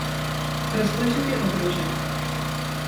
Rozpočet je ohrožen.